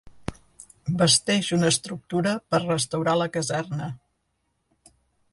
Basteix una estructura per restaurar la caserna.